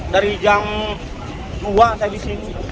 dari jam dua saya di sini